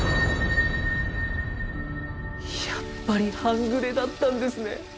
やっぱり半グレだったんですね。